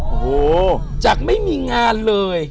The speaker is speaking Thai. โอ้โหจากไม่มีงานเลย